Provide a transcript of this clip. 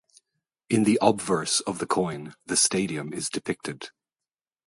In the obverse of the coin, the stadium is depicted.